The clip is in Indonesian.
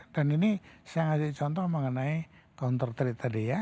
dan ini saya ngasih contoh mengenai counter trade tadi ya